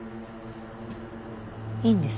いいんです？